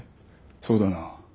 そうだな。